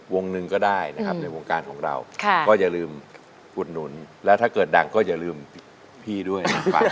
วงหนึ่งก็ได้นะครับในวงการของเราก็อย่าลืมอุดหนุนแล้วถ้าเกิดดังก็อย่าลืมพี่ด้วยนะครับ